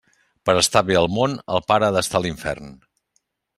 Per a estar bé al món, el pare ha d'estar a l'infern.